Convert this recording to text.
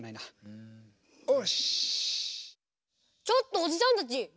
・ちょっとおじさんたち